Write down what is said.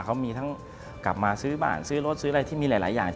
เขามีทั้งกลับมาซื้อบ้านซื้อรถซื้ออะไรที่มีหลายอย่าง